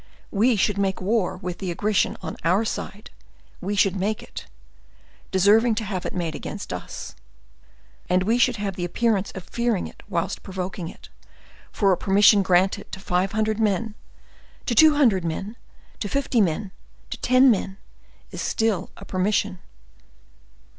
We should make war with the aggression on our side; we should make it, deserving to have it made against us; and we should have the appearance of fearing it whilst provoking it, for a permission granted to five hundred men, to two hundred men, to fifty men, to ten men, is still a permission.